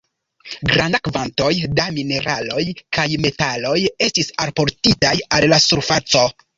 Granda kvantoj da mineraloj kaj metaloj estis alportitaj al la surfaco.